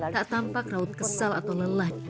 tak tampak raut kesal atau lelah